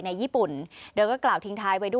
ไม่ขาวใช่มั้ยครับ